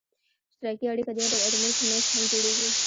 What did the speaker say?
اشتراکي اړیکه د یو ډول اتومونو په منځ کې هم جوړیږي.